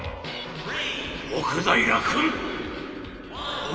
「奥平君！」